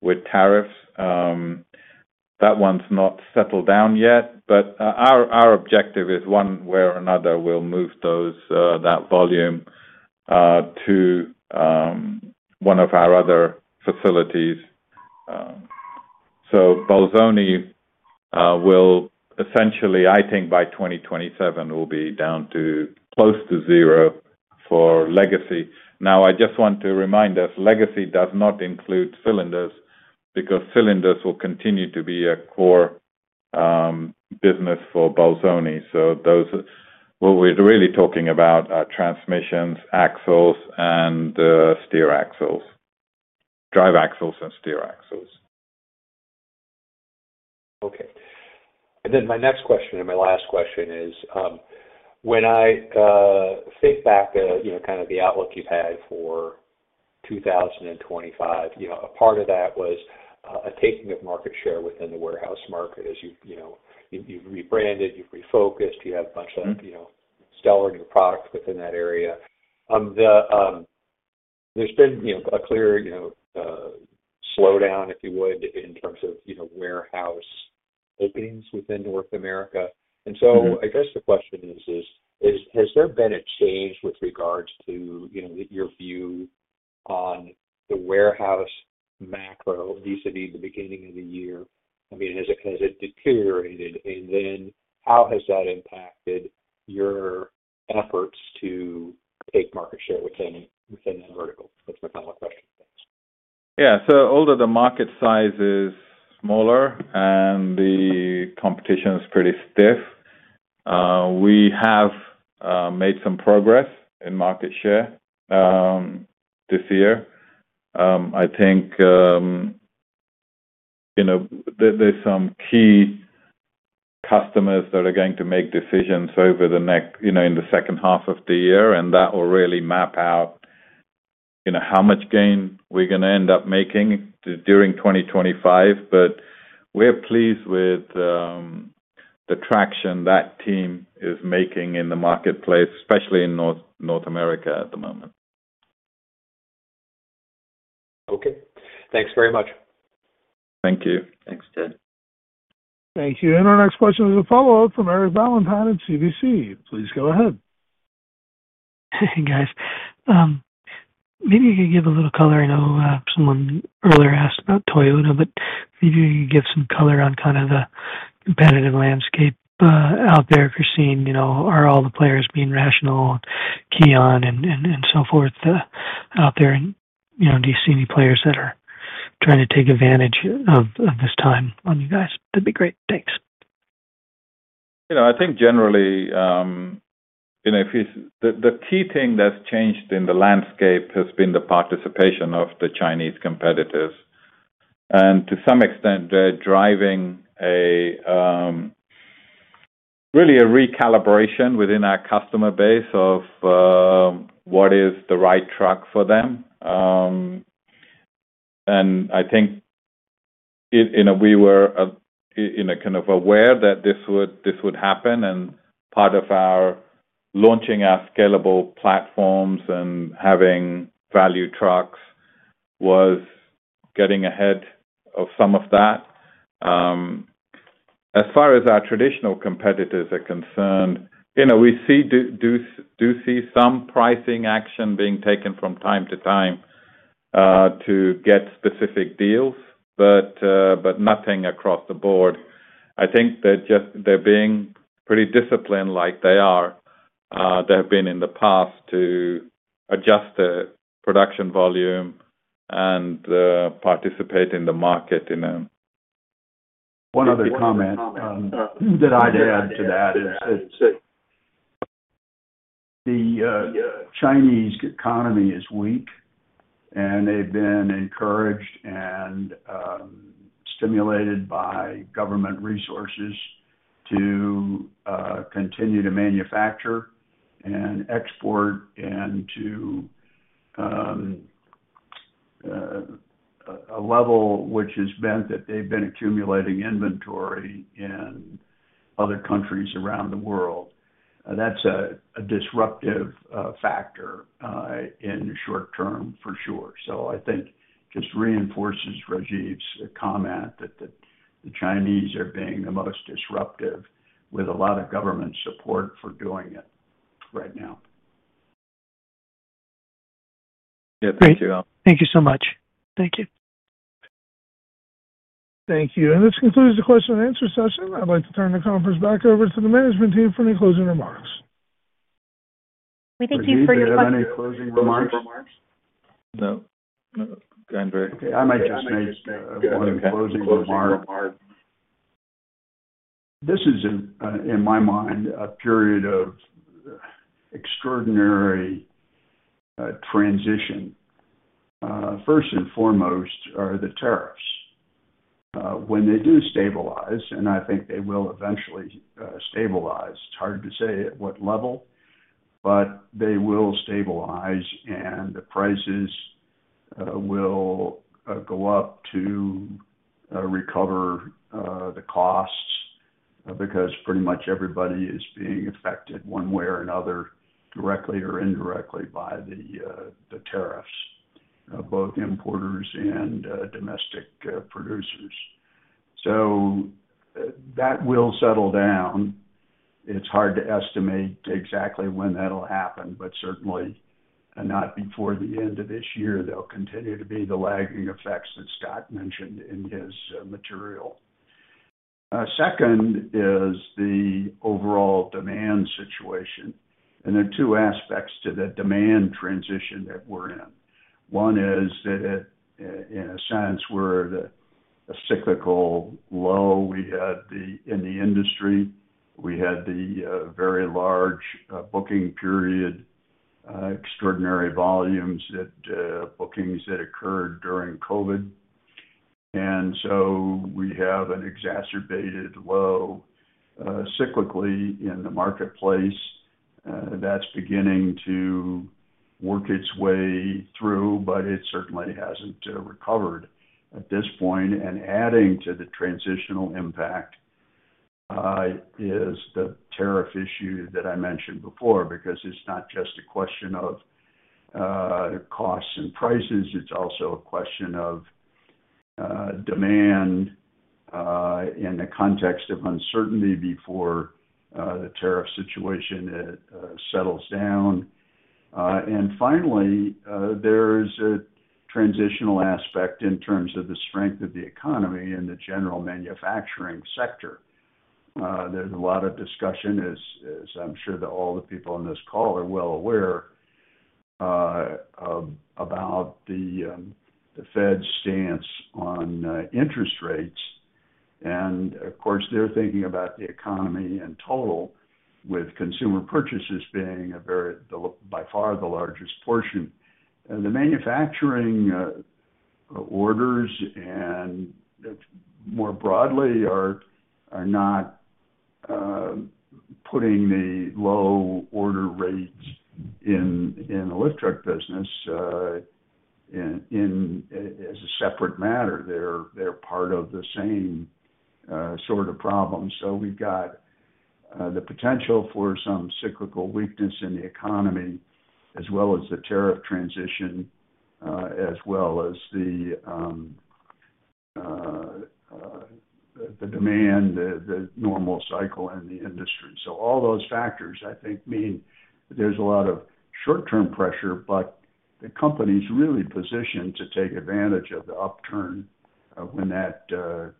with tariffs. That one's not settled down yet. Our objective is one way or another we'll move that volume to one of our other facilities. Bolzoni will essentially, I think, by 2027, be down to close to zero for legacy. I just want to remind us, legacy does not include cylinders because cylinders will continue to be a core business for Bolzoni. What we're really talking about are transmissions, axles, steer axles, drive axles, and steer axles. Okay. My next question and my last question is, when I think back to kind of the outlook you've had for 2025, a part of that was a taking of market share within the warehouse market. As you've rebranded, you've refocused, you have a bunch of stellar new products within that area. There's been a clear slowdown, if you would, in terms of warehouse openings within North America. I guess the question is, has there been a change with regards to your view on the warehouse macro vis-a-vis the beginning of the year? I mean, has it deteriorated? How has that impacted your efforts to take market share within that vertical? That's my final question. Although the market size is smaller and the competition is pretty stiff, we have made some progress in market share this year. I think there's some key customers that are going to make decisions in the second half of the year. That will really map out how much gain we're going to end up making during 2025. We're pleased with the traction that team is making in the marketplace, especially in the Americas at the moment. Okay, thanks very much. Thank you. Thanks, Ted. Thank you. Our next question is a follow-up from Eric Ballantine at CVC. Please go ahead. Hey guys, maybe you can give a little color. I know someone earlier asked about Toyota, but maybe you can give some color on kind of the competitive landscape out there. If you're seeing, you know, are all the players being rational, and KION, and so forth out there? Do you see any players that are trying to take advantage of this time on you guys? That'd be great. Thanks. I think generally the key thing that's changed in the landscape has been the participation of the Chinese competitors. To some extent, they're driving really a recalibration within our customer base of what is the right truck for them. I think we were kind of aware that this would happen. Part of our launching our scalable platforms and having value trucks was getting ahead of some of that. As far as our traditional competitors are concerned, we do see some pricing action being taken from time to time to get specific deals, but nothing across the board. I think they're just being pretty disciplined like they have been in the past to adjust the production volume and participate in the market in a... One other comment that I'd add to that is the Chinese economy is weak, and they've been encouraged and stimulated by government resources to continue to manufacture and export to a level which has meant that they've been accumulating inventory in other countries around the world. That's a disruptive factor in the short term for sure. I think it just reinforces Rajiv's comment that the Chinese are being the most disruptive with a lot of government support for doing it right now. Thank you all. Thank you so much. Thank you. Thank you. This concludes the question and answer session. I'd like to turn the conference back over to the management team for any closing remarks. Thank you for your question. Has anyone had any closing remarks? No. Okay. I might just make one closing remark. This is, in my mind, a period of extraordinary transition. First and foremost are the tariffs. When they do stabilize, and I think they will eventually stabilize, it's hard to say at what level, but they will stabilize and the prices will go up to recover the costs because pretty much everybody is being affected one way or another, directly or indirectly, by the tariffs, both importers and domestic producers. That will settle down. It's hard to estimate exactly when that'll happen, but certainly not before the end of this year. There will continue to be the lagging effects that Scott Minder mentioned in his material. Second is the overall demand situation. There are two aspects to the demand transition that we're in. One is that, in a sense, we're in a cyclical low. In the industry, we had the very large booking period, extraordinary volumes that bookings that occurred during COVID. We have an exacerbated low cyclically in the marketplace. That's beginning to work its way through, but it certainly hasn't recovered at this point. Adding to the transitional impact is the tariff issue that I mentioned before because it's not just a question of costs and prices. It's also a question of demand in the context of uncertainty before the tariff situation settles down. Finally, there's a transitional aspect in terms of the strength of the economy and the general manufacturing sector. There's a lot of discussion, as I'm sure that all the people on this call are well aware, about the Fed's stance on interest rates. Of course, they're thinking about the economy in total, with consumer purchases being, by far, the largest portion. The manufacturing orders, and more broadly, are not putting the low order rates in the lift truck business as a separate matter. They're part of the same sort of problem. We have the potential for some cyclical weakness in the economy, as well as the tariff transition, as well as the demand, the normal cycle, and the industry. All those factors, I think, mean that there's a lot of short-term pressure, but the company's really positioned to take advantage of the upturn when that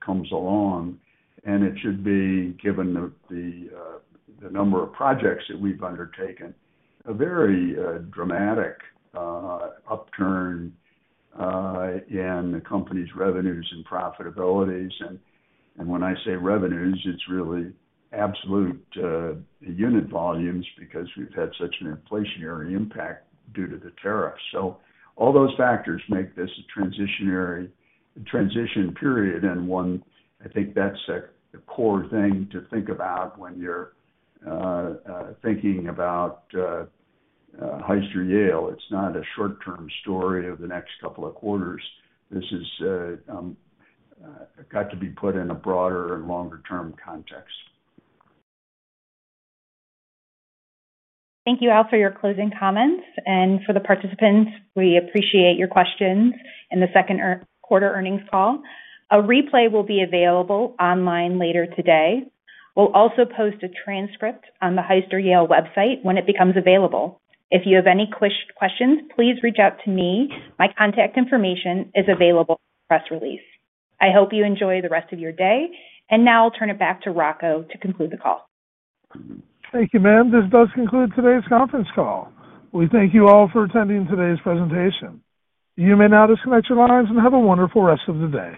comes along. It should be, given the number of projects that we've undertaken, a very dramatic upturn in the company's revenues and profitabilities. When I say revenues, it's really absolute unit volumes because we've had such an inflationary impact due to the tariffs. All those factors make this a transitionary transition period. One, I think that's a core thing to think about when you're thinking about Hyster-Yale Materials Handling. It's not a short-term story of the next couple of quarters. This has got to be put in a broader and longer-term context. Thank you, Al, for your closing comments. For the participants, we appreciate your questions in the second quarter earnings call. A replay will be available online later today. We'll also post a transcript on the Hyster-Yale Materials Handling website when it becomes available. If you have any questions, please reach out to me. My contact information is available in the press release. I hope you enjoy the rest of your day. Now I'll turn it back to Rocco to conclude the call. Thank you, ma'am. This does conclude today's conference call. We thank you all for attending today's presentation. You may now disconnect your lines and have a wonderful rest of the day.